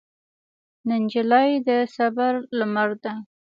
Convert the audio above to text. نجلۍ د صبر لمر ده.